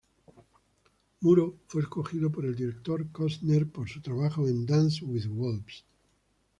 Muro fue escogido por el director Costner por su trabajo en Dances with Wolves.